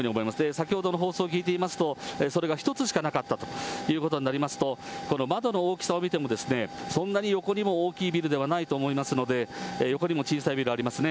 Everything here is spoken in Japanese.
先ほどの放送を聞いていますと、それが１つしかなかったということになりますと、窓の大きさを見ても、そんなに横にも大きいビルではないと思いますので、横にも小さいビルありますね。